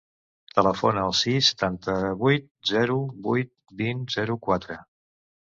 Telefona al sis, setanta-vuit, zero, vuit, vint, zero, quatre.